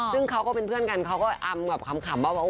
ซึ่งเขาก็เป็นเพื่อนกันเขาก็อำกับขำว่า